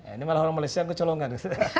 ini malah orang malaysia yang kecolongan